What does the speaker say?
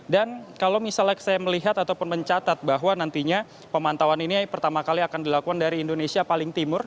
dan kalau misalnya saya melihat ataupun mencatat bahwa nantinya pemantauan ini pertama kali akan dilakukan dari indonesia paling timur